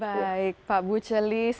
baik pak bu celis